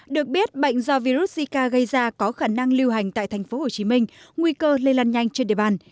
được biết bệnh do virus zika gây ra có khả năng lưu hành tại tp hcm nguy cơ lây lan nhanh trên địa bàn